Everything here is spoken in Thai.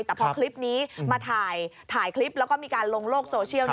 แต่พอคลิปนี้มาถ่ายคลิปแล้วก็มีการลงโลกโซเชียล